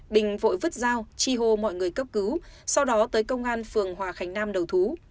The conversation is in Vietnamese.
bình vội vứt dao chi hô mọi người cấp cứu sau đó tới công an phường hòa khánh nam đầu thú